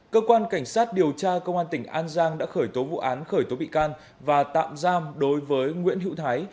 cơ quan cảnh sát điều tra công an tỉnh an giang đã khởi tố vụ án khởi tố bị can và tạm giam đối với nguyễn hữu thái